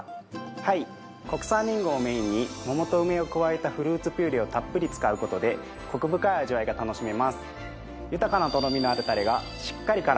はい国産りんごをメインにモモとウメを加えたフルーツピューレをたっぷり使うことでコク深い味わいが楽しめます。